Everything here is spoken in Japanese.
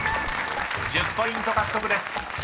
［１０ポイント獲得です。